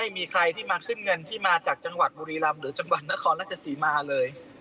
ไม่มีใครที่มาขึ้นเงินที่มาจากจังหวัดบุรีรำหรือจังหวัดนครราชสีมาเลย